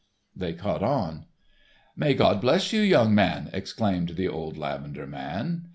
They caught on. "May God bless you, young man!" exclaimed the old lavender man.